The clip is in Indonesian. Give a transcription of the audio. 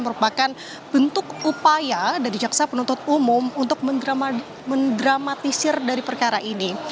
merupakan bentuk upaya dari jaksa penuntut umum untuk mendramatisir dari perkara ini